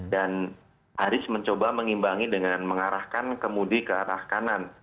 dan haris mencoba mengimbangi dengan mengarahkan kemudian ke arah kanan